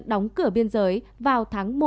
đóng cửa biên giới vào tháng một